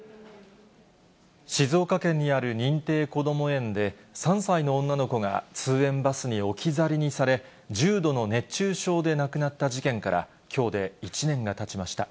静岡県にある認定こども園で、３歳の女の子が通園バスに置き去りにされ、重度の熱中症で亡くなった事件から、きょうで１年がたちました。